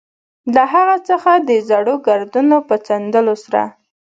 له هغه څخه د زړو ګردونو په څنډلو سره.